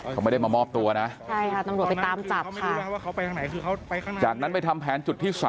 ข้างนั้นไปทำแผนจุดที่๓